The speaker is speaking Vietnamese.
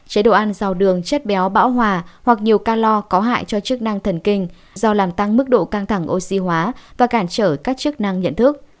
chế độ ăn giao đường chất béo bão hòa hoặc nhiều calor có hại cho chức năng thần kinh do làm tăng mức độ căng thẳng oxy hóa và cản trở các chức năng nhận thức